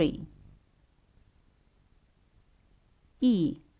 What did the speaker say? E.